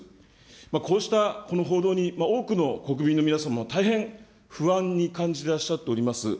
こうしたこの報道に、多くの国民の皆様、大変不安に感じてらっしゃっております。